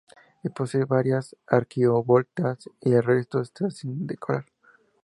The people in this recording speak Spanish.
Y posee varias arquivoltas y el resto esta sin decorar.